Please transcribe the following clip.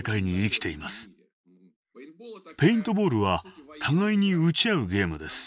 ペイントボールは互いに撃ち合うゲームです。